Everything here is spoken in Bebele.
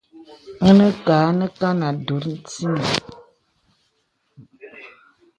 Ìnə kâ nə kan atûŋ sìnə.